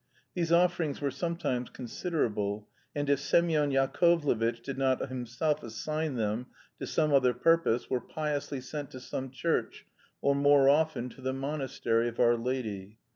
These offerings were sometimes considerable, and if Semyon Yakovlevitch did not himself assign them to some other purpose were piously sent to some church or more often to the monastery of Our Lady.